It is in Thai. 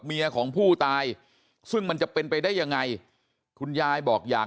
เมียของผู้ตายซึ่งมันจะเป็นไปได้ยังไงคุณยายบอกอยาก